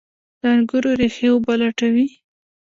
د انګورو ریښې اوبه لټوي.